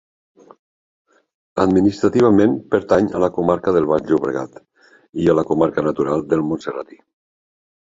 Administrativament pertany a la comarca del Baix Llobregat i a la comarca natural del Montserratí.